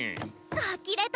あきれた！